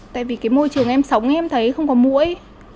tại vì cái môi trường em sống em thấy không có mũi